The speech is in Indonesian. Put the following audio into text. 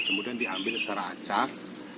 kemudian diambil secara acak